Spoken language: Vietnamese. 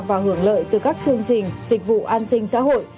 và hưởng lợi từ các chương trình dịch vụ an sinh xã hội